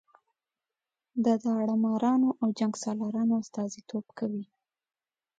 د داړه مارانو او جنګ سالارانو استازي توب کوي.